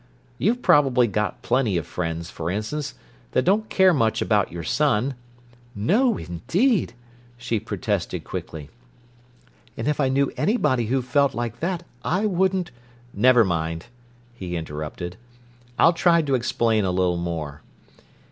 You've probably got plenty of friends, for instance, that don't care much about your son—" "No, indeed!" she protested quickly. "And if I knew anybody who felt like that, I wouldn't—" "Never mind," he interrupted. "I'll try to explain a little more.